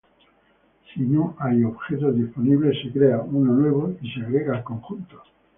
Si no hay objetos disponibles, se crea uno nuevo y se agrega al conjunto.